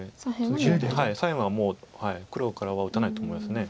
左辺はもう黒からは打たないと思います。